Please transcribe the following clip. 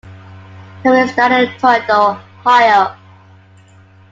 Cummings died in Toledo, Ohio.